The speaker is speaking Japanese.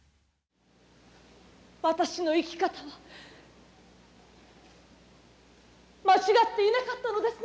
私の生き方は間違っていなかったのですね。